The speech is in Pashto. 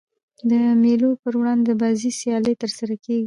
د مېلو پر مهال د بازۍ سیالۍ ترسره کیږي.